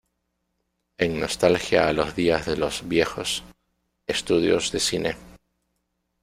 En nostalgia a los días de los "viejos", estudios de cine.